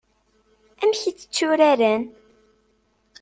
Amek i tt-tturaren?